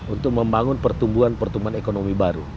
untuk membangun pertumbuhan pertumbuhan ekonomi baru